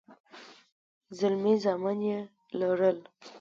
زلمي زامن يې لرل.